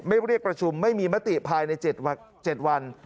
เรียกประชุมไม่มีมติภายใน๗วัน